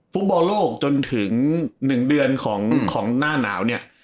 ฟุตบอลโลกจนถึง๑เดือนของหน้าหนาวเนี่ย